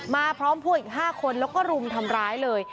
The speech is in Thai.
มาพร้อมพวกอีก๕คนแล้วก็รุมทำร้ายเลย